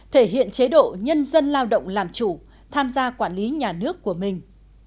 thể hiện chế độ nhân dân lao động làm chủ tham gia quản lý nhà nước của mình